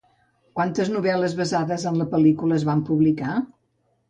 Quantes novel·les basades en la pel·lícula es van publicar?